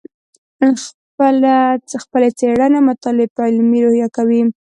خپلې څېړنې او مطالعې په علمي روحیه کوې.